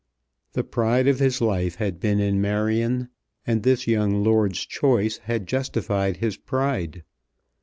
The pride of his life had been in Marion, and this young lord's choice had justified his pride.